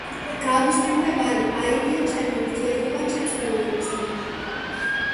გავისტუმრე ვალი, აირია ჩემი ურთიერთობა ჩემს მეუღლესთან.